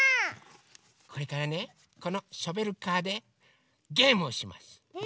これからねこのショベルカーでゲームをします。え？